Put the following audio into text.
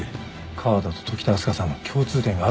河田と時田明日香さんの共通点があったよ。